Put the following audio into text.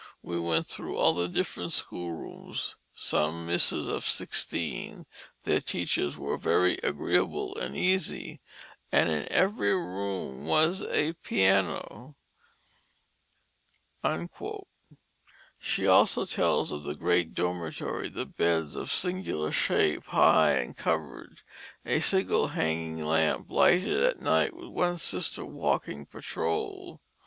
We went thro' all the different school rooms, some misses of sixteen, their teachers were very agreeable and easy, and in every room was a Piano." She also tells of the great dormitory; the beds of singular shape, high and covered; a single hanging lamp lighted at night, with one sister walking patrol.